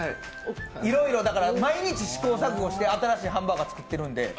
いろいろ、毎日試行錯誤して新しいハンバーガー作ってるんで。